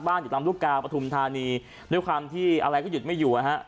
อยู่ตามลูกกาปฐุมธานีด้วยความที่อะไรก็หยุดไม่อยู่นะฮะ